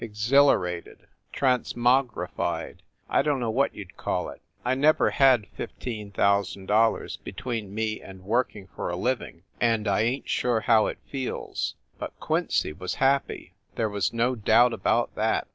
Exhilarated transmogrified I don t know what you d call it. I never had $i 5,000 between me and working for a living, and I ain t sure how it feels but Quincy was happy, there was no doubt about that.